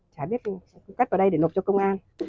cháy biết tôi sẽ cắt vào đây để nộp cho công an